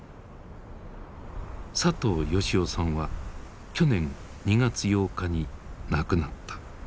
佐藤吉男さんは去年２月８日に亡くなった。